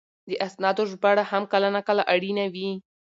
د اسنادو ژباړه هم کله ناکله اړینه وي.